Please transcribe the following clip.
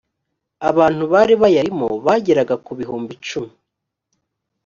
abantu bari bayarimo bageraga ku bihumbi icumi